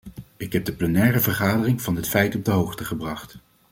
Ik heb de plenaire vergadering van dit feit op de hoogte gebracht.